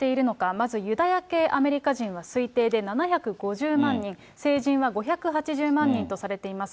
まずユダヤ系アメリカ人は推定で７５０万人、成人は５８０万人とされています。